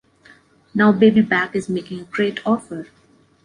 Now BabyBack is making a great offer!